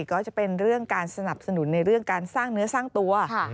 ก็จะเป็นเรื่องการสนับสนุนในเรื่องการสร้างเนื้อสร้างตัว